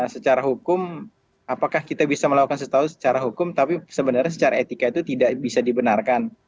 secara hukum apakah kita bisa melakukan sesuatu secara hukum tapi sebenarnya secara etika itu tidak bisa dibenarkan